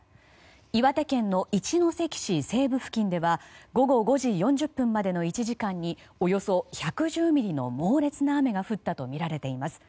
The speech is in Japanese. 岩手県の一関市西部付近では午後５時４０分までの１時間におよそ１１０ミリの猛烈な雨が降ったとみられています。